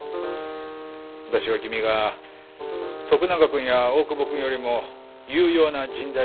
私は君が徳永君や大窪君よりも有用な人材だと思っている。